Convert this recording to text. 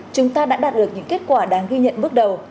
chúng ta đã đạt được những kết quả đáng ghi nhận bước đầu